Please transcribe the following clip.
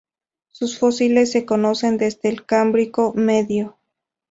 Sus fósiles se conocen desde el Cámbrico Medio.